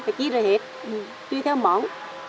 phải ký ra hết tùy theo món